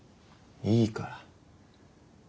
いいから。